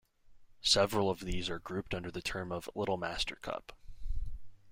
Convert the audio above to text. Several of these are grouped under the term of Little-Master cup.